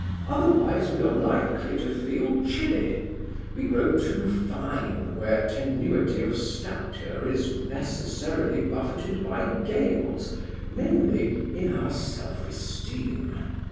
Otherwise we are likely to feel chilly: we grow too fine where tenuity of stature is necessarily buffetted by gales, namely, in our self esteem.